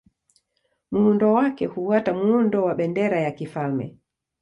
Muundo wake hufuata muundo wa bendera ya kifalme.